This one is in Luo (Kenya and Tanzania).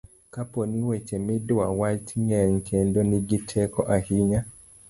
kapo ni weche midwa wacho ng'eny kendo nigi teko ahinya